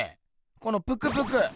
このプクプク。